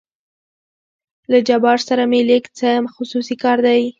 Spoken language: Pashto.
له جبار سره مې لېږ څه خصوصي کار دى.